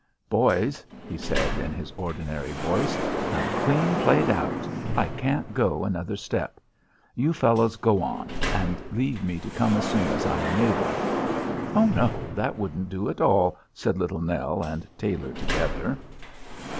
"Boys," he said in his ordinary voice, "I'm clean played out. I can't go another step. You fellows go on, and leave me to come as soon as I am able." "Oh, no, that wouldn't do at all," said Little Nell and Tailor together.